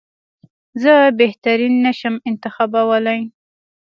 زه بهترین نه شم انتخابولای.